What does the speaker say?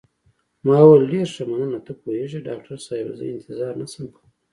ما وویل: ډېر ښه، مننه، ته پوهېږې ډاکټر صاحبه، زه انتظار نه شم کولای.